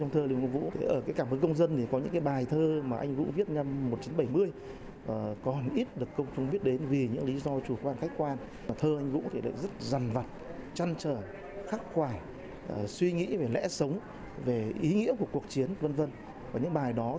trong đó có những bài thơ chưa từng được công bố